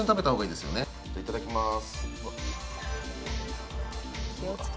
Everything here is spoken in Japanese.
いただきます。